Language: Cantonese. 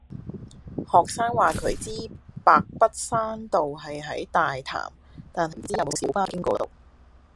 學生話佢知白筆山道係喺大潭，但係唔知有冇小巴經嗰度